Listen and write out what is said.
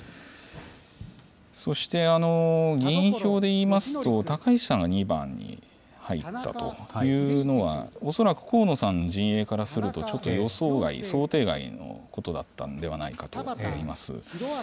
そして、議員票でいいますと、高市さんが２番に入ったというのは、恐らく河野さんの陣営からすると、ちょっと予想外、想定外のことだったんではないかと思います。